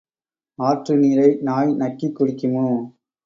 ஆற்று நீரை நாய் நக்கிக் குடிக்குமோ?